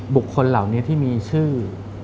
บุคคลเหล่านี้ที่มีชื่อ